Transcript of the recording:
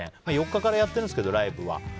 ４日からやってるんですけどライブは。